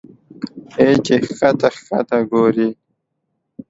اې چې ښکته ښکته ګورې